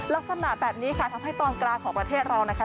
ลักษณะแบบนี้ค่ะทำให้ตอนกลางของประเทศเรานะคะ